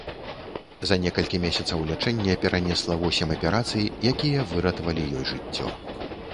За некалькі месяцаў лячэння перанесла восем аперацый, якія выратавалі ёй жыццё.